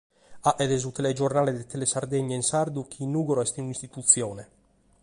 Faghet su telegiornale de Telesardegna in sardu chi in Nùgoro est un’istitutzione.